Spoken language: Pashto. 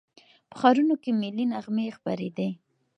په ښارونو کې ملي نغمې خپرېدې.